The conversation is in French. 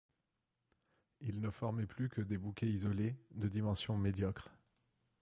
Ils ne formaient plus que des bouquets isolés, de dimension médiocre.